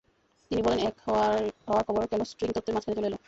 তিন বলের এক হওয়ার খবর কেন স্ট্রিং তত্ত্বের মাঝখানে চলে এল?